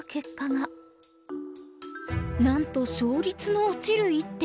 なんと勝率の落ちる一手。